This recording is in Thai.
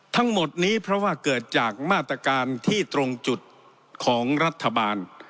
ทั้งหมดนี้เพราะว่าเกิดจากมาตรการที่ตรงจุดของรัฐบาล